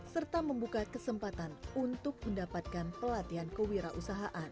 serta membuka kesempatan untuk mendapatkan pelatihan kewirausahaan